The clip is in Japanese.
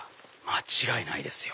間違いないですよ。